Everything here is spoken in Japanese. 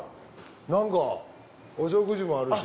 燭お食事もあるし。